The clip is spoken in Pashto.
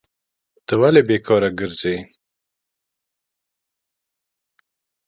ته ولي بیکاره کرځي؟